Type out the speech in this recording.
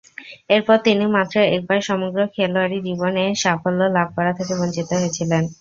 এরপর তিনি মাত্র একবার সমগ্র খেলোয়াড়ী জীবনে এ সাফল্য লাভ করা থেকে বঞ্চিত হয়েছিলেন।